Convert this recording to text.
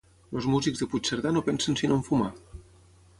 Els músics de Puigcerdà no pensen sinó en fumar.